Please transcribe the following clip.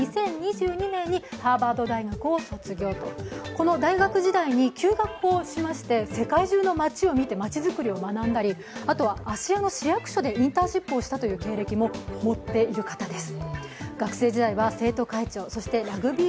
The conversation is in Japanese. この大学時代に休学をしまして、世界中の街を見てまちづくりを学んだりあとは芦屋の市役所でインターンシップをしたという経歴も持っている方です。